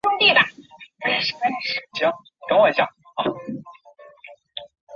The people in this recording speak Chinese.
梅阿斯内。